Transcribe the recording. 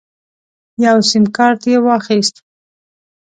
یو سیم کارت یې واخیست.